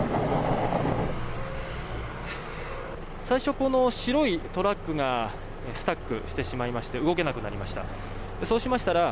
最初、この白いトラックがスタックしてしまいまして動けなくなりました。